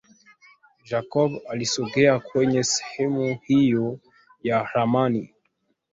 Jacob alisogea kwenye sehemu hiyo ya ramani